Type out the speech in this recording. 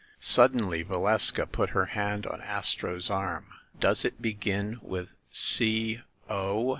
Suddenly Valeska put her hand on Astro's arm. "Does it begin with 'C o'?"